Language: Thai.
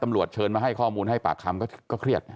เชิญมาให้ข้อมูลให้ปากคำก็เครียด